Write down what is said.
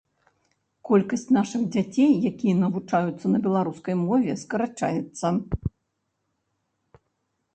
Колькасць нашых дзяцей, якія навучаюцца на беларускай мове, скарачаецца.